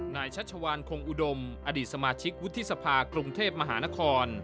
ชัชวานคงอุดมอดีตสมาชิกวุฒิสภากรุงเทพมหานคร